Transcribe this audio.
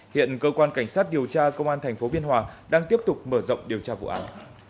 hiện cơ quan cảnh sát điều tra công an tp biên hòa đang tiếp tục mở rộng điều tra vụ án